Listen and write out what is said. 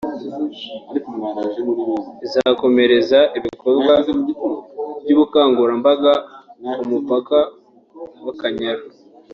izakomereza ibikorwa by’ubukangurambaga ku mupaka w’Akanyaru